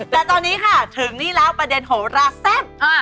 แต่ตอนนี้ค่ะถึงนี่แล้วประเด็นโหราแซ่บ